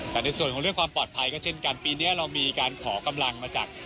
แต่ในส่วนของเรื่องความปลอดภัยก็เช่นกันปีนี้เรามีการขอกำลังมาจาก